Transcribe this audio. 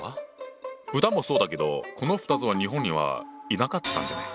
豚もそうだけどこの２つは日本にはいなかったんじゃない？